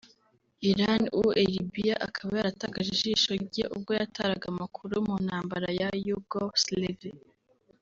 Iran ou en Libiya akaba yaratakaje ijisho rye ubwo yataraga amakuru mu ntambara ya Yougoslavie